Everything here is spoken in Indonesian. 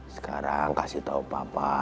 sekarang kasih tau papa